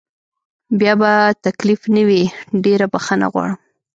بیا به تکلیف نه وي، ډېره بخښنه غواړم.